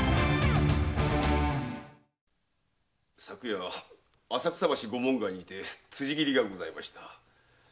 昨夜浅草橋御門外にて辻斬りがございました。